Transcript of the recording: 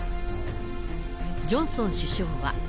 ジョンソン首相は。